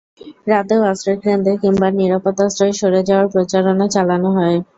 রাতেও আশ্রয়কেন্দ্রে কিংবা নিরাপদ আশ্রয়ে সরে যাওয়ার জন্য প্রচারণা চালানো হয়।